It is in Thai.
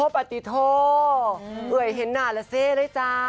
ปฏิโทเผื่อยเห็นหน้าแล้วเซเลยจ้า